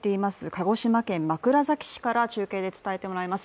鹿児島県枕崎市から中継で伝えてもらいます。